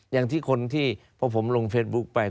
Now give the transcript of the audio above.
อย่างที่คนที่พอผมลงเฟซบุ๊คไป